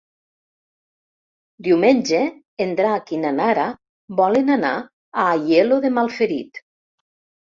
Diumenge en Drac i na Nara volen anar a Aielo de Malferit.